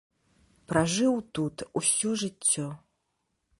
Пражыў тут усё жыццё.